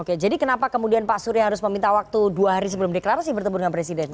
oke jadi kenapa kemudian pak surya harus meminta waktu dua hari sebelum deklarasi bertemu dengan presiden